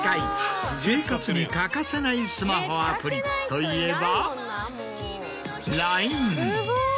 といえば。